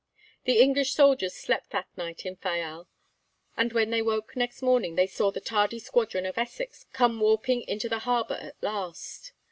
The English soldiers slept that night in Fayal, and when they woke next morning they saw the tardy squadron of Essex come warping into the harbour at last.